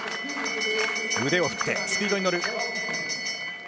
腕を振ってスピードに乗る。